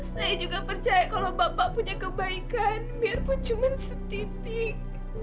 saya juga percaya kalau bapak punya kebaikan biarpun cuma setitik